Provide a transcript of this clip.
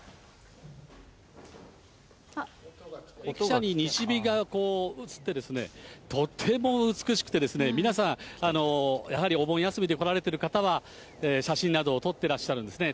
駅舎に西日がうつって、とても美しくて、皆さん、やはりお盆休みで来られている方は、写真などを撮ってらっしゃるんですね。